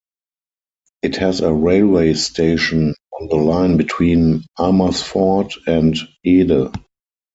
It has a railway station on the line between Amersfoort and Ede.